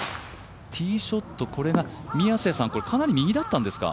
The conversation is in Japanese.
ティーショット、これかなり右だったんですか？